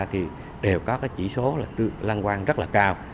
thì đều có chỉ số lăng quang rất là cao